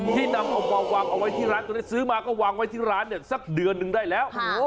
ที่นำเอาไปวางไว้ที่ร้านซื้อมาก็วางไว้ที่ร้านสักเดือนหนึ่งได้แล้ว